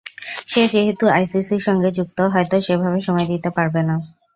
সে যেহেতু আইসিসির সঙ্গে যুক্ত, হয়তো সেভাবে সময় দিতে পারবে না।